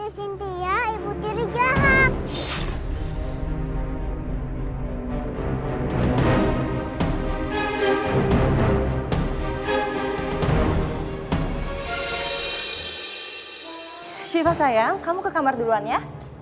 shifa sayang kamu ke kamar duluan ya